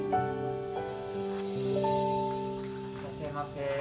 いらっしゃいませ。